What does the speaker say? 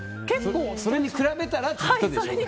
それに比べたらってことでしょ。